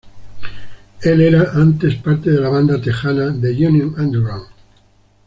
Él era antes parte de la banda Texana "The Union Underground".